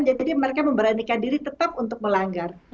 jadi mereka memberanikan diri tetap untuk melanggar